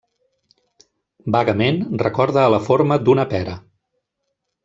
Vagament recorda a la forma d'una pera.